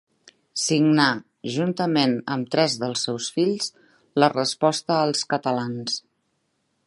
Signà, juntament amb tres dels seus fills, la Resposta als Catalans.